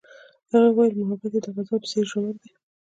هغې وویل محبت یې د غزل په څېر ژور دی.